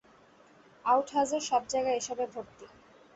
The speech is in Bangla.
আউট হাউজের সবজায়গায় এসবে ভর্তি।